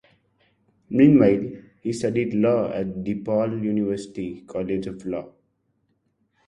Meanwhile, he studied law at DePaul University College of Law.